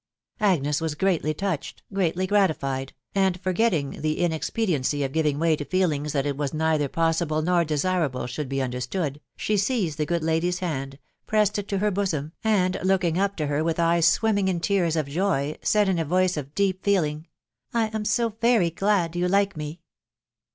Agnes was greatly touched, greatly gratified, and forgetting the inexpediency of giving way to feelings that it was neitba possible nor desirable should be understood, she seized the good lady's hand, pressed it to her bosom, and looking up to ha with eyes swimming in tears of joy, said in a voice of deep feeling, ...." I am so very glad you like me